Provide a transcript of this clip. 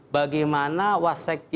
sekarang gini masyarakat masih ingat betul